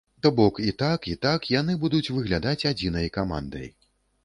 То бок і так, і так яны будуць выглядаць адзінай камандай.